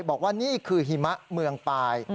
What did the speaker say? บอกว่านี่คือหิมะเมืองปลาย